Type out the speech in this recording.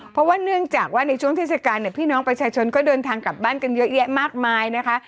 เพราะว่าเนื่องจากว่าในช่วงเทศกาลเนี่ยพี่น้องประชาชนก็เดินทางกลับบ้านกันเยอะแยะมากมายนะคะ